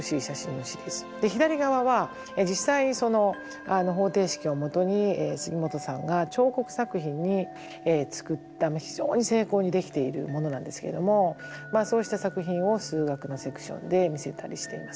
左側は実際に方程式をもとに杉本さんが彫刻作品に作った非常に精巧にできているものなんですけれどもそうした作品を数学のセクションで見せたりしています。